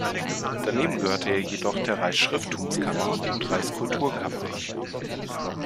Daneben gehörte er jedoch der Reichsschrifttumskammer und Reichskulturkammer an.